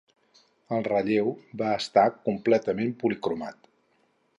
El relleu va estar completament policromat.